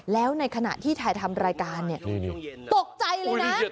แล้วในขณะที่ถ่ายทำรายการเนี่ยตกใจเลยนะ